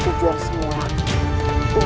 dan yang akan aku handle